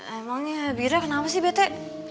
emang ya bira kenapa sih bete